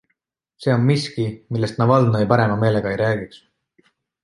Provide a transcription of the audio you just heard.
See on miski, millest Navalnõi parema meelega ei räägiks.